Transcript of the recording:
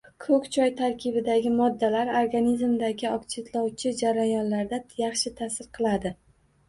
Ko‘k choy tarkibidagi moddalar organizmdagi oksidlovchi jarayonlarga yaxshi ta’sir qiladi.